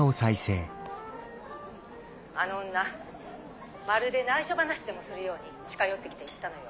「あの女まるでないしょ話でもするように近寄ってきて言ったのよ」。